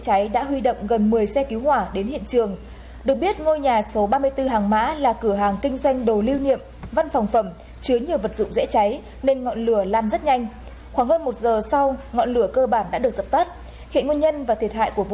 hãy đăng ký kênh để ủng hộ kênh của chúng mình nhé